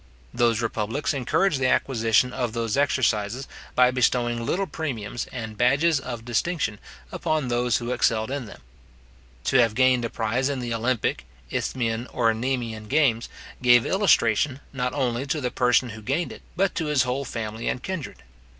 Those republics encouraged the acquisition of those exercises, by bestowing little premiums and badges of distinction upon those who excelled in them. To have gained a prize in the Olympic, Isthmian, or Nemaean games, gave illustration, not only to the person who gained it, but to his whole family and kindred.